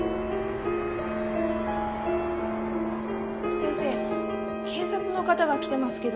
先生警察の方が来てますけど。